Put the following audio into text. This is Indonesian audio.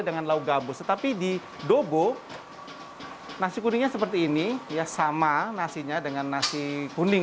dengan lau gabus tetapi di dobo nasi kuningnya seperti ini ya sama nasinya dengan nasi kuning